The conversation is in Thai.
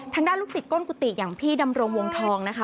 ลูกศิษย์ก้นกุฏิอย่างพี่ดำรงวงทองนะคะ